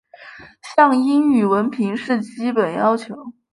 像英语文凭是基本要求。